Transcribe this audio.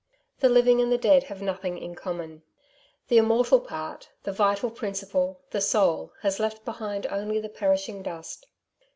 The living and the dead have nothing in common. The immortal part, the vital principle, the soul, has left behind only the perishing dust.